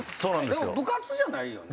でも部活じゃないよね？